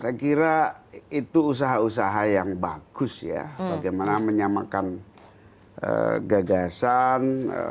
saya kira itu usaha usaha yang bagus ya bagaimana menyamakan gagasan